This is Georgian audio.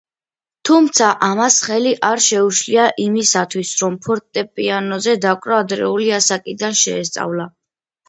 თუმცა ამას ხელი არ შეუშლია იმისათვის რომ ფორტეპიანოზე დაკვრა ადრეული ასაკიდან შეესწავლა.